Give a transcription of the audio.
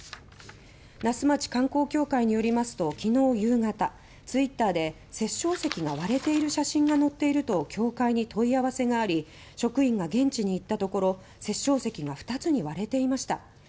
那須町観光協会によりますときのう夕方「ツイッターで殺生石が割れている写真が載っている」と協会に問い合わせがあり職員が現地に行ったところ殺生石が二つに割れていました。